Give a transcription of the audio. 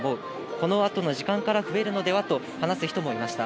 このあとの時間から増えるのではと話す人もいました。